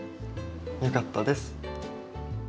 よかったです。